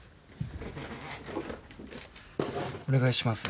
お願いします。